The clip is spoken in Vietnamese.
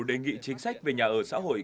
đề nghị chính sách về nhà ở xã hội